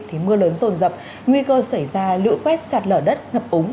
thì mưa lớn rồn rập nguy cơ xảy ra lưỡi quét sạt lở đất ngập ống